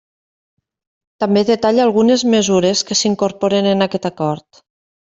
També detalla algunes mesures que s'incorporen en aquest Acord.